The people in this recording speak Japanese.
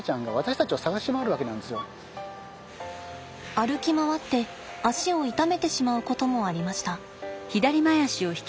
歩き回って肢を傷めてしまうこともありました。